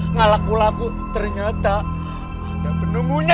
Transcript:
ngalaku laku ternyata ada penemunya